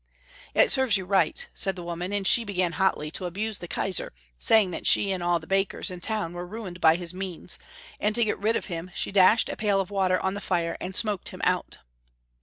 " It serves you right," said the woman, and she began hotly to abuse the Kaisar, saying that she and all the bakers in the town were ruined by his means, and to get rid of him, she dashed a pail of water on the fire and smoked him out.